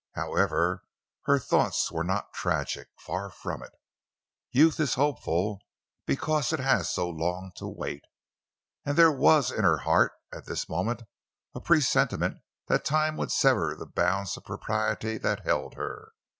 However, her thoughts were not tragic—far from it! Youth is hopeful because it has so long to wait. And there was in her heart at this moment a presentiment that time would sever the bonds of propriety that held her.